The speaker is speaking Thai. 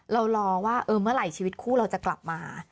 รอว่าเมื่อไหร่ชีวิตคู่เราจะกลับมา